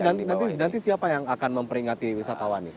nanti siapa yang akan memperingati wisatawan ini